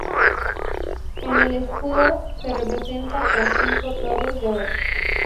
En el escudo se representa con cinco torres de oro.